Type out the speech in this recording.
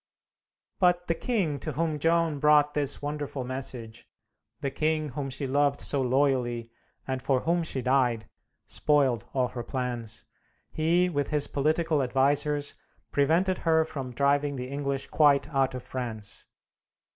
But the king to whom Joan brought this wonderful message, the king whom she loved so loyally, and for whom she died, spoiled all her plans. He, with his political advisers, prevented her from driving the English quite out of France.